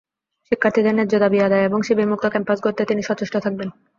শিক্ষার্থীদের ন্যায্য দাবি আদায় এবং শিবিরমুক্ত ক্যাম্পাস গড়তে তিনি সচেষ্ট থাকবেন।